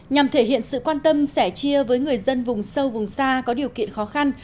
nhằm thể hiện sự quan tâm sẻ chia với người dân vùng sâu vùng xa có điều kiện khó khăn